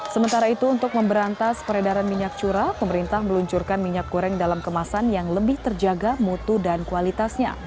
sementara itu untuk memberantas peredaran minyak curah pemerintah meluncurkan minyak goreng dalam kemasan yang lebih terjaga mutu dan kualitasnya